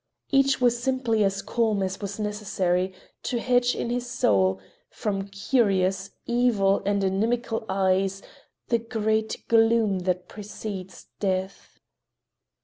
Each was simply as calm as was necessary to hedge in his soul, from curious, evil and inimical eyes, the great gloom that precedes death.